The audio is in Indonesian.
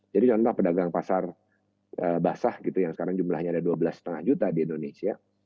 jadi contohnya pedagang pasar basah gitu yang sekarang jumlahnya ada dua belas lima juta di indonesia